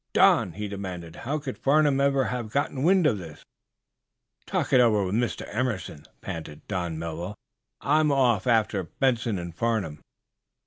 "Don," he demanded, "how could Farnum ever have gotten wind of this?" "Talk it over with Mr. Emerson," panted Don Melville. "I'm off after Benson and Farnum."